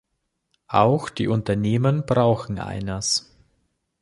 Auch die Unternehmen brauchen eines.